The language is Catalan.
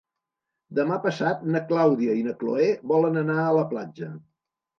Demà passat na Clàudia i na Cloè volen anar a la platja.